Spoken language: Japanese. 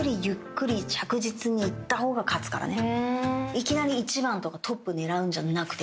いきなり１番とかトップ狙うんじゃなくて。